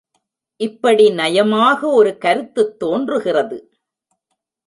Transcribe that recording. இப்படி நயமாக ஒரு கருத்துத் தோன்றுகிறது.